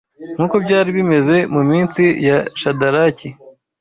Nk’uko byari bimeze mu minsi ya Shadaraki